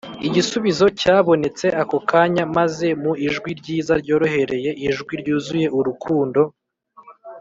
igisubizo cyabonetse ako kanya maze mu ijwi ryiza ryorohereye, ijwi ryuzuye urukundo,